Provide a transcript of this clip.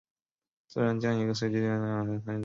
自然将一个随机变量赋予每个参与者。